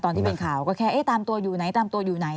ที่เป็นข่าวก็แค่ตามตัวอยู่ไหนตามตัวอยู่ไหน